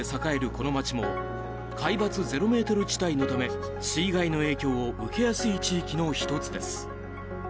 この街も海抜０ｍ地帯のため水害の影響を受けやすい地域の１つです。